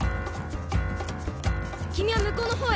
君はむこうの方へ。